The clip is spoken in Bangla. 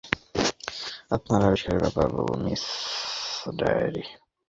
আপনার আবিষ্কারের ব্যাপারে বলুন, মিস ডেবিয়্যাস্কি।